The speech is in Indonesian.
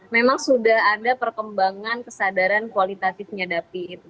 memang sudah ada perkembangan kesadaran kualitatifnya david